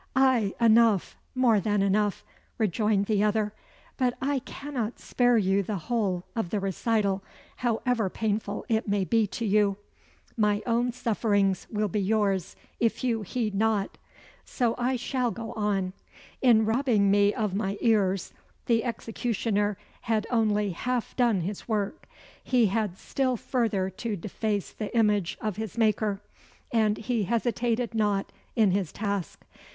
"Ay, enough more than enough," rejoined the other; "but I cannot spare you the whole of the recital, however painful it may be to you. My own sufferings will be yours, if you heed not. So I shall go on. In robbing me of my ears, the executioner had only half done his work. He had still further to deface the image of his Maker, and he hesitated not in his task.